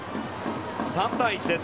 ３対１です。